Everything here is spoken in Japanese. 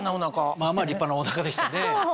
まぁまぁ立派なお腹でしたね。